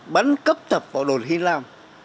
bắn cấp tập vào đồn hiên lam